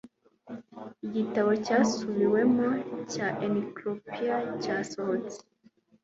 Igitabo cyasubiwemo cya encyclopedia cyasohotse.